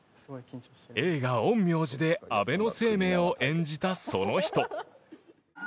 映画「陰陽師」で安倍晴明を演じたその人。